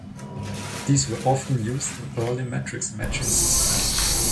These were often used in early matrix-matching systems.